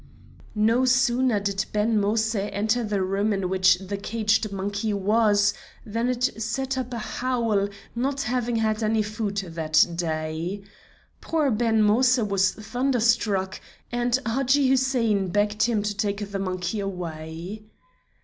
No sooner did Ben Moïse enter the room in which the caged monkey was, than it set up a howl, not having had any food that day. Poor Ben Moïse was thunderstruck, and Hadji Hussein begged him to take the monkey away.